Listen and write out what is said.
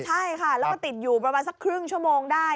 ใช่ค่ะแล้วก็ติดอยู่ประมาณสักครึ่งชั่วโมงได้